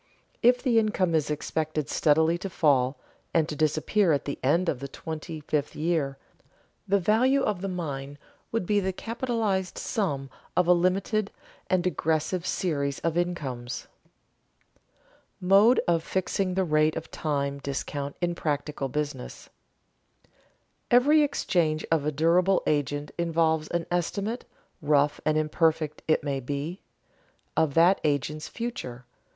If the income is expected steadily to fall, and to disappear at the end of the twenty fifth year, the value of the mine would be the capitalized sum of a limited and degressive series of incomes. [Sidenote: Mode of fixing the rate of time discount in practical business] Every exchange of a durable agent involves an estimate, rough and imperfect it may be, of that agent's future.